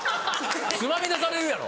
つまみ出されるやろ。